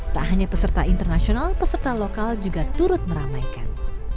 tak hanya peserta internasional peserta lokal juga turut meramaikan